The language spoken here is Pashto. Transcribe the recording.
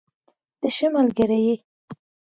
ته ښه ملګری یې.